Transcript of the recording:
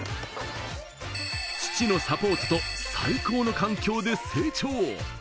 父のサポートと最高の環境で成長。